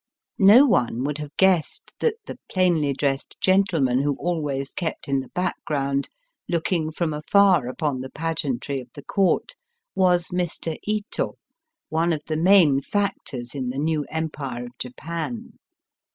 233 No one would have guessed that the plainly dressed gentleman who always kept in the hackground, looking from afar upon the pageantry of the Court, was Mr. Ito, one of the main factors in the new Empire of Japan.